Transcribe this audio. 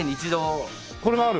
これがある？